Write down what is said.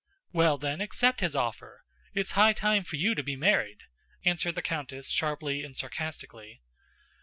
"Well then, accept his offer. It's high time for you to be married," answered the countess sharply and sarcastically.